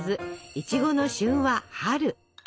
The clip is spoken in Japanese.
いちごの旬は春！